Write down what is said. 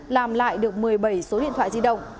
làm lại được một mươi bảy số điện thoại di động